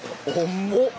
重っ！